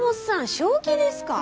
正気ですか？